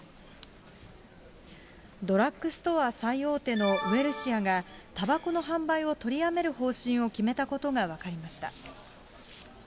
ドラッグストア最大手のウエルシアが、たばこの販売を取りやめる方針を決めたことが分かりました。